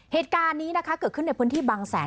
เหตุการณ์นี้เกิดขึ้นในพิธีบังแสน